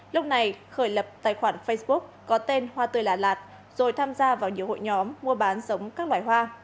lúc này khởi lập tài khoản facebook có tên hoa tươi lạt lạt rồi tham gia vào nhiều hội nhóm mua bán giống các loài hoa